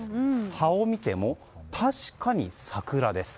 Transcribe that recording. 葉を見ても、確かに桜です。